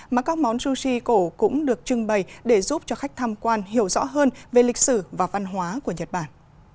mà các món sushi cổ cũng được trưng bày để giúp cho khách tham quan hiểu rõ hơn về lịch sử và văn hóa của nhật bản